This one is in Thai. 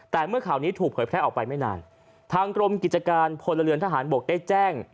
แต่เมื่อข่าวนี้ถูกเผยแพร่ออกไปไม่นานทางกรมกิจการพลเรือนทหารบกได้แจ้ง